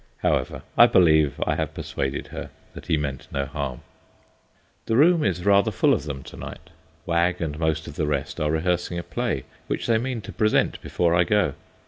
However, I believe I have persuaded her that he meant no harm. The room is rather full of them to night. Wag and most of the rest are rehearsing a play which they mean to present before I go.